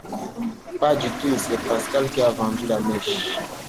Pas du tout! C’est Pascal qui a vendu la mèche.